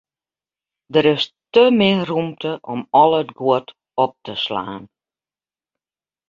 Der is te min rûmte om al it guod op te slaan.